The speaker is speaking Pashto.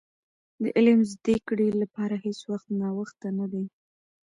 د علم زدي کړي لپاره هيڅ وخت ناوخته نه دي .